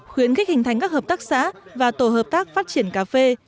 khuyến khích hình thành các hợp tác xã và tổ hợp tác phát triển cà phê